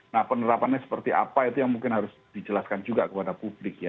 nah penerapannya seperti apa itu yang mungkin harus dijelaskan juga kepada publik ya